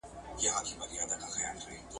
محمد هاشم میوندوال ونیول شو.